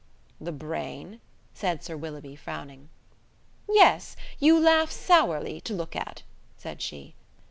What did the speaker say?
"The brain?" said Sir Willoughby, frowning. "Yes, you laugh sourly, to look at," said she.